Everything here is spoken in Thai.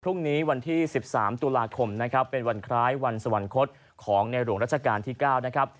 พรุ่งนี้วันที่๑๓ตุลาคมนะครับเป็นวันคล้ายวันสวรรคตของในหลวงราชการที่๙นะครับ